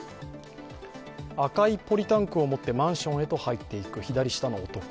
赤いポリタンクを持ってマンションへと入っていく左下の男。